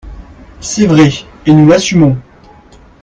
C’est vrai, et nous l’assumons